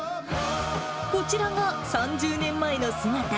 こちらが３０年前の姿。